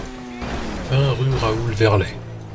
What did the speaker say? vingt rue Raoul Verlet